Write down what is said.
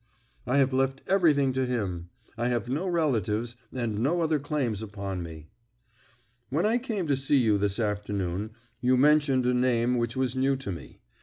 "I have left everything to him. I have no relatives, and no other claims upon me." "When I came to see you this afternoon you mentioned a name which was new to me.